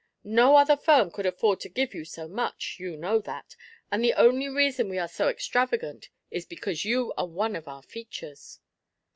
"No other firm could afford to give you so much, you know that; and the only reason we are so extravagant is because you are one of our features."